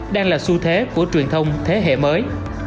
đang là xu thế của truyền thông thế hệ mới